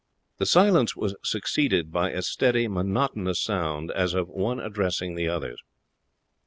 The silence was succeeded by a steady monotonous sound as of one addressing the others.